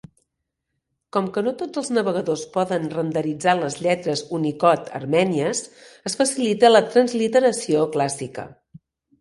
Com que no tots els navegadors poden renderitzar les lletres Unicode armènies, es facilita la transliteració clàssica.